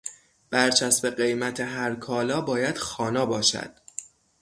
بر چسب قیمت هر کالا باید خوانا باشد.